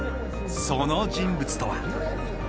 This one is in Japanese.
その人物とは。